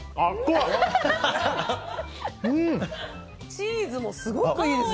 チーズもすごくいいですね。